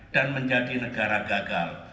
dan menjadi negara gagal